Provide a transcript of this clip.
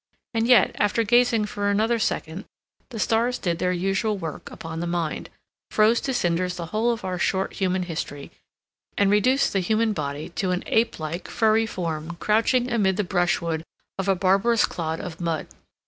And yet, after gazing for another second, the stars did their usual work upon the mind, froze to cinders the whole of our short human history, and reduced the human body to an ape like, furry form, crouching amid the brushwood of a barbarous clod of mud.